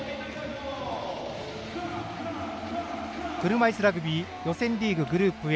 車いすラグビー予選リーググループＡ